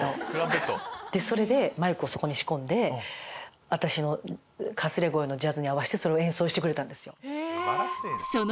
マイクをそこに仕込んで私のかすれ声のジャズに合わせてそれを演奏してくれたんですよ。